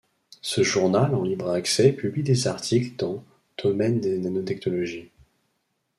Ce journal en libre accès publie des articles dans domaine des nanotechnologies.